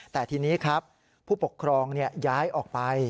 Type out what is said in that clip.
แต่ทีนี้ครับผู้ปกครองย้ายออกไป